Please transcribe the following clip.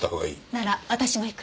なら私も行く。